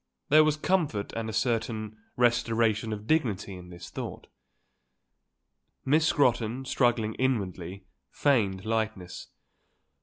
There was comfort and a certain restoration of dignity in this thought. Miss Scrotton, struggling inwardly, feigned lightness.